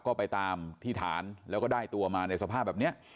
ก็ไปตามที่ฐานแล้วก็ได้ตัวมาในสภาพแบบนี้